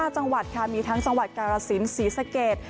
๕จังหวัดค่ะมีทั้งจังหวัดกาลสินศรีสเกต